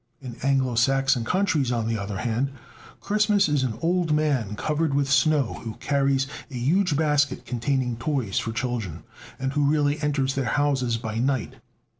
In Anglo Saxon countries, on the other hand, Christmas is an old man covered with snow who carries a huge basket containing toys for children, and who really enters their houses by night.